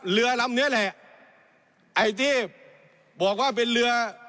เรือลำเนี้ยแหละไอ้ที่บอกว่าเป็นเรือ